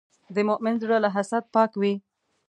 د مؤمن زړه له حسد پاک وي.